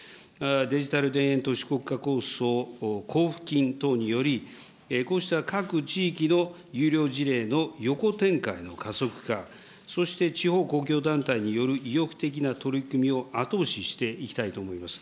デジタル田園都市国家構想交付金等により、こうした各地域の優良事例の横展開の加速化、そして地方公共団体による意欲的な取り組みを後押ししていきたいと思います。